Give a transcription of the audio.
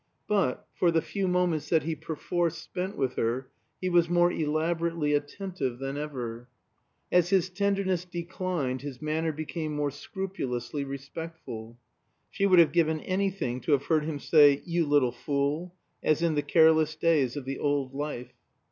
But, for the few moments that he perforce spent with her, he was more elaborately attentive than ever. As his tenderness declined his manner became more scrupulously respectful, (She would have given anything to have heard him say "You little fool," as in the careless days of the old life.)